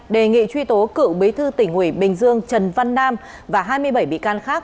đề nghị truy tố cựu bí thư tỉnh ủy bình dương trần văn nam và hai mươi bảy bị can khác